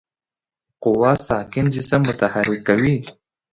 قوه ساکن جسم متحرک کوي.